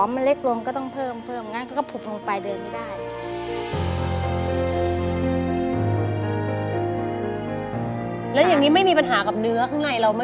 มันก็อาศีลเพิ่งจะเดินได้ยังยังเก็บอยู่เลย